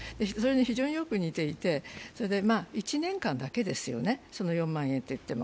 非常によく似ていて、１年間だけですよね、その４万円といっても。